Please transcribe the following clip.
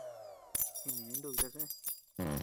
Jine nuku tasé.